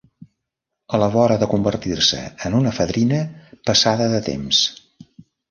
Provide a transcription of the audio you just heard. A la vora de convertir-se en una fadrina passada de temps.